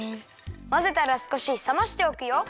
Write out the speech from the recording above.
まぜたらすこしさましておくよ。